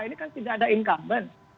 ini kan tidak ada incumbent